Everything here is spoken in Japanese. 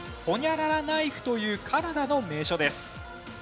ホニャララナイフというカナダの名所です。